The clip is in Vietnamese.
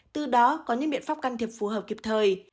từ đó có những biện pháp can thiệp phù hợp kịp thời